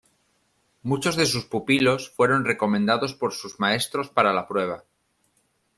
Muchos de sus pupilos fueron recomendados por sus maestros para la prueba.